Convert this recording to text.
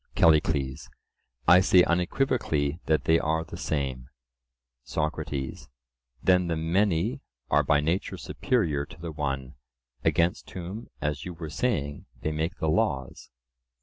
CALLICLES: I say unequivocally that they are the same. SOCRATES: Then the many are by nature superior to the one, against whom, as you were saying, they make the laws?